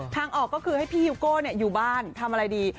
ทางออกก็คือให้พี่ฮิวโก้อยู่บ้านทำอะไรดี